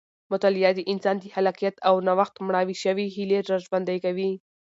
مطالعه د انسان د خلاقیت او نوښت مړاوې شوې هیلې راژوندۍ کوي.